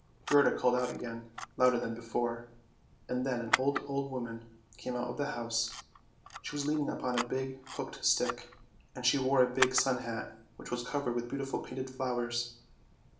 Gerda called out again, louder than before, and then an old, old woman came out of the house; she was leaning upon a big, hooked stick, and she wore a big sun hat, which was covered with beautiful painted flowers.